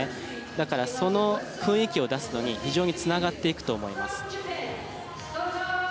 だから、その雰囲気を出すのに非常につながっていくと思います。